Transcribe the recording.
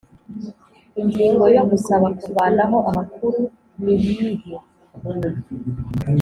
Ingingo yo Gusaba kuvanaho amakuru niyihe